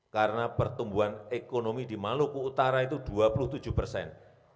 karena pertumbuhan ekonomi di maluku utara itu dua puluh tujuh persen